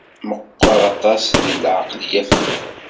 Meɣɣer aṭas deg lɛeqleyya fell-am.